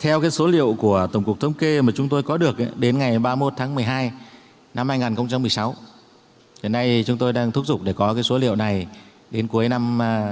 theo số liệu của tổng cục thống kê mà chúng tôi có được đến ngày ba mươi một tháng một mươi hai năm hai nghìn một mươi sáu hiện nay chúng tôi đang thúc giục để có số liệu này đến cuối năm hai nghìn một mươi tám